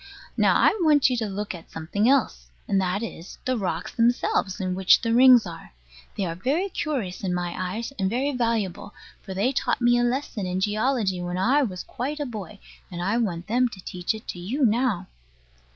Now I want you to look at something else: and that is, the rocks themselves, in which the rings are. They are very curious in my eyes, and very valuable; for they taught me a lesson in geology when I was quite a boy: and I want them to teach it to you now.